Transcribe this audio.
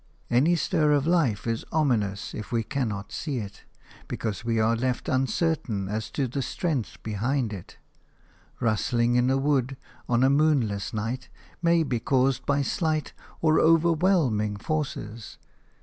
Any stir of life is ominous if we cannot see it, because we are left uncertain as to the strength behind it; rustling in a wood on a moonless night may be caused by slight or overwhelming forces.